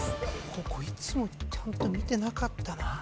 ここいつもちゃんと見てなかったな。